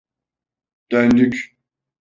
Döndük.